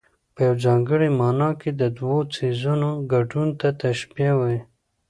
په یوه ځانګړې مانا کې د دوو څيزونو ګډون ته تشبېه وايي.